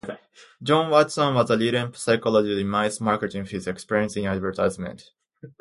John Watson was a leading psychologist in mass marketing with his experiments in advertising.